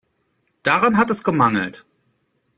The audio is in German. Daran hat es gemangelt.